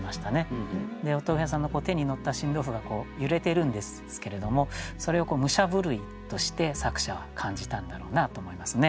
でお豆腐屋さんの手にのった新豆腐が揺れてるんですけれどもそれを武者震いとして作者は感じたんだろうなと思いますね。